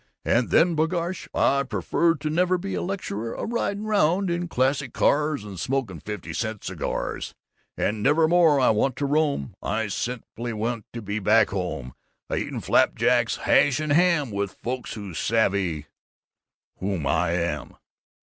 And then b'gosh, I would prefer to never be a lecturer, a ridin' round in classy cars and smoking fifty cent cigars, and never more I want to roam; I simply want to be back home, a eatin' flap jacks, hash, and ham, with folks who savvy whom I am!